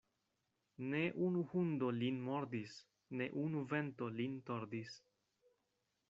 Ne unu hundo lin mordis, ne unu vento lin tordis.